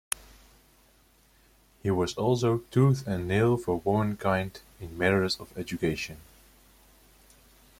He was also "tooth and nail for womankind" in matters of education.